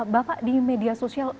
bapak di media sosial